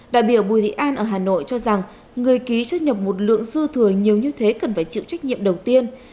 đại biểu bùi thị an ở hà nội cho rằng người ký chưa nhập một lượng dư thừa nhiều như thế cần phải chịu trách nhiệm đầu tiên